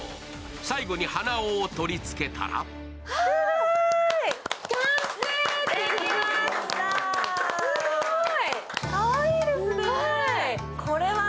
最後に鼻緒を取り付けたら完成です、すごい！